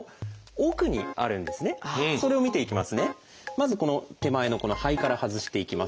まずこの手前のこの肺から外していきます。